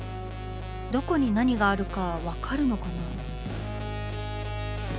どこに何があるか分かるのかな。